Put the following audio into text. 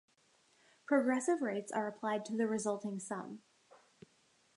Progressive rates are applied to the resulting sum.